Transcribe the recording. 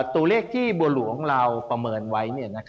ตัวเลขที่บัวหลวงเราประเมินไว้